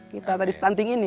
kita tadi stunting ini